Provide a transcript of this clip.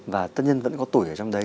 và tất nhiên vẫn có tuổi ở trong đấy